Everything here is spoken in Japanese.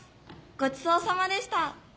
「ごちそうさまでした」